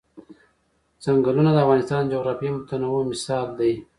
چنګلونه د افغانستان د جغرافیوي تنوع مثال دی.